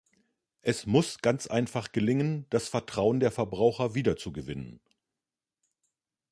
Es muss ganz einfach gelingen, das Vertrauen der Verbraucher wiederzugewinnen.